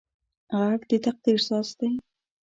غږ د تقدیر ساز دی